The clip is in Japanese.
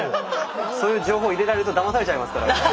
そういう情報入れられるとだまされちゃいますからね。